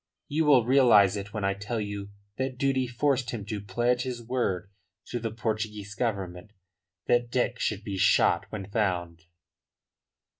You will realise it when I tell you that duty forced him to pledge his word to the Portuguese Government that Dick should be shot when found."